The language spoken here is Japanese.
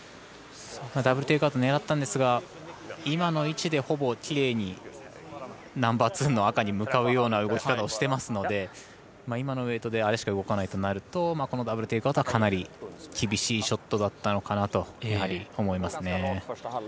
ダブル・テイクアウト狙ったんですが、今の位置でほぼきれいにナンバーツーの赤に向かうような動きしていますので今のウエイトであれしか動かないとなるとこのダブル・テイクアウトはかなり厳しいショットだったのかなとやはり思いますね。